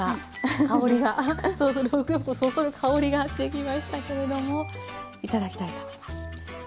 食欲をそそる香りがしてきましたけれども頂きたいと思います。